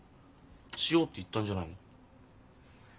「しよう」って言ったんじゃないの？